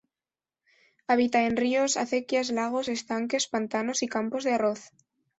Habita en ríos, acequias, lagos, estanques, pantanos y campos de arroz.